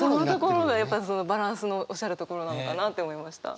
バランスのおっしゃるところなのかなと思いました。